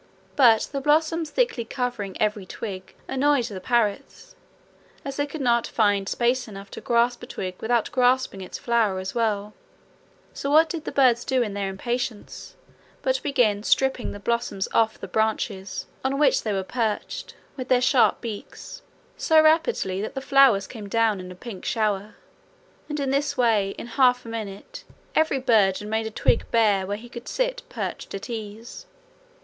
But the blossoms thickly covering every twig annoyed the parrots, as they could not find space enough to grasp a twig without grasping its flower as well; so what did the birds do in their impatience but begin stripping the blossoms off the branches on which they were perched with their sharp beaks, so rapidly that the flowers came down in a pink shower, and in this way in half a minute every bird made a twig bare where he could sit perched at ease.